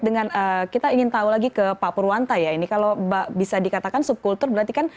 dengan kita ingin tahu lagi ke pak purwanta ya ini kalau bisa dikatakan subkultur berarti kan